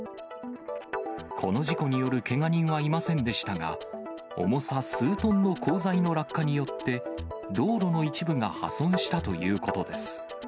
この事故によるけが人はいませんでしたが、重さ数トンの鋼材の落下によって、道路の一部が破損したということです。